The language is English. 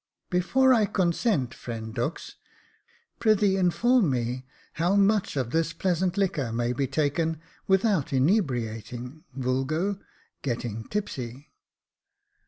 " Before I consent, friend Dux, pr'ythee inform me how 112 Jacob Faithful much of this pleasant liquor may be taken without inebri . ating, "uulgo, getting tipsy."